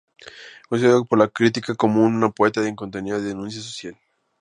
Considerado por la crítica como un poeta en continua denuncia social.